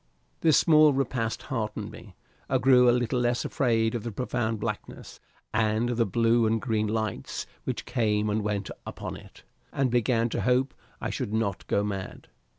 This small repast heartened me, I grew a little less afraid of the profound blackness, and of the blue and green lights which came and went upon it, and began to hope I should not go mad.